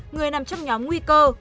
người nằm trong nhóm nguy cơ